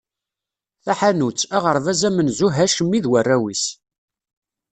Taḥanut, aɣerbaz amenzu Hacmi d warraw-is.